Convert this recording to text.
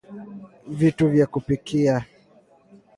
Vitu vya kupikia